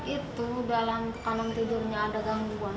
itu dalam kanong tidurnya ada gangguan